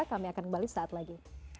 kami akan kembali sesaat lagi